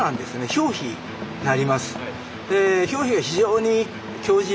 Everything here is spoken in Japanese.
表皮になります。